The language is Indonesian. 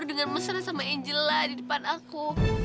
aku denger mesen sama angel lah di depan aku